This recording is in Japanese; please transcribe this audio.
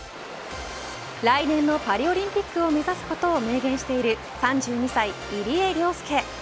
来年のパリオリンピックを目指すことを明言している３２歳、入江陵介。